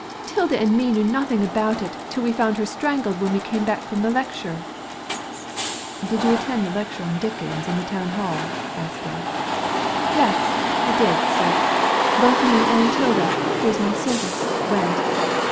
" Tilda and me knew nothing about it till Digitized by Google 6 THE LADY FROM NOWHERE we found her strangled when we came back from the lecture." ''Did you attend the lecture on Dickens in the Town Hall ?" asked Gebb. "Yes, I did, sir; both me and 'Tilda, who is my servant, went."